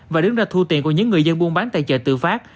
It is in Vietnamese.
và đứng ra thu tiền của những người dân buôn bán tại chợ tự phát